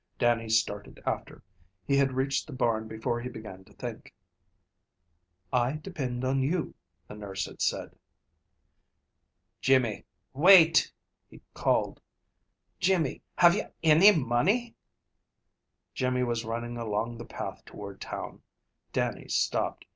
Dannie started after. He had reached the barn before he began to think. "I depend on you," the nurse had said. "Jimmy, wait!" he called. "Jimmy, have ye any money?" Jimmy was running along the path toward town. Dannie stopped.